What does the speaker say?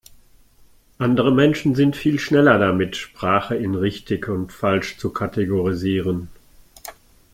Andere Menschen sind viel schneller damit, Sprache in richtig und falsch zu kategorisieren.